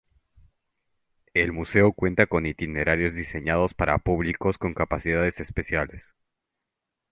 El museo cuenta con itinerarios diseñados para públicos con capacidades especiales.